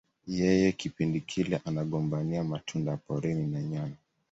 Yeye kipindi kile anagombania matunda ya porini na nyani